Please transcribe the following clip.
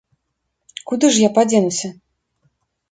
Куды ж я падзенуся?